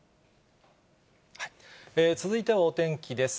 続いてはお天気です。